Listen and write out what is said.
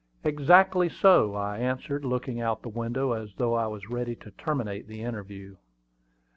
"Exactly so," I answered, looking out the window, as though I was ready to terminate the interview.